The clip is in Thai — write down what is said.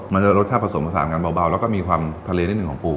มันจะรสชาติผสมผสานกันเบาแล้วก็มีความทะเลนิดหนึ่งของปู